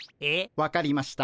分かりました。